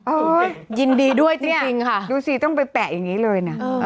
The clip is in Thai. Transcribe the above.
ยินดีด้วยจริงค่ะดูสิต้องไปแปะอย่างนี้เลยนะ